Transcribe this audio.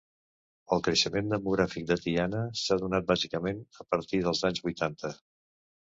El creixement demogràfic de Tiana s'ha donat bàsicament a partir dels anys vuitanta.